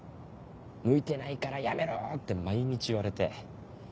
「向いてないからやめろ！」って毎日言われて。